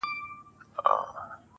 چي پکي روح نُور سي، چي پکي وژاړي ډېر.